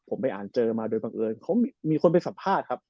ผมไปอ่านเจอมาโดยบังเอิญเขามีคนไปสัมภาษณ์ครับ